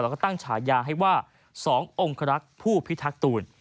แล้วก็ตั้งฉายาให้ว่า๒องครักษ์ผู้พิทักษ์ตูน